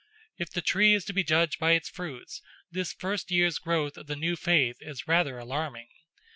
If the tree is to be judged by its fruits, this first year's growth of the new faith is rather alarming.